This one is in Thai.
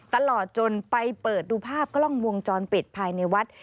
ตลอดจนไปเปิดดูภาพกล้องวงจรปิดภายในวัด